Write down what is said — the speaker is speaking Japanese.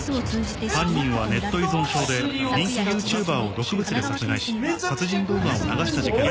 犯人はネット依存症で人気ＹｏｕＴｕｂｅｒを毒物で殺害し殺人動画を流した事件で。